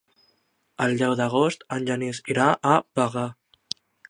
El deu d'agost en Genís irà a Bagà.